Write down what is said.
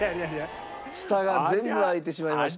下が全部開いてしまいました。